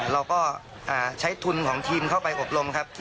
เราก็ใช้ทุนของทีมเข้าไปอบรมครับ